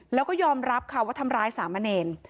แล้วก็ยอมรับค่ะว่าทำร้ายสามเณร